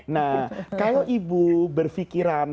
nah kalau ibu berpikiran